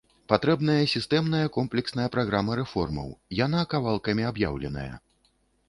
Патрэбная сістэмная комплексная праграма рэформаў, яна кавалкамі аб'яўленая.